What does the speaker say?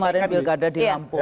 ya tapi kemarin pilkada di lampung